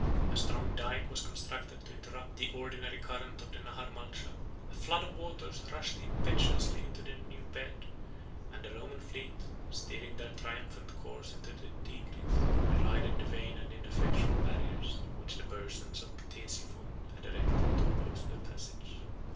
A strong dike was constructed to interrupt the ordinary current of the Nahar Malcha: a flood of waters rushed impetuously into their new bed; and the Roman fleet, steering their triumphant course into the Tigris, derided the vain and ineffectual barriers which the Persians of Ctesiphon had erected to oppose their passage.